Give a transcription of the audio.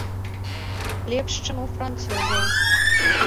Лепш, чым у французаў.